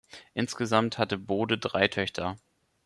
Insgesamt hatte Bode drei Töchter.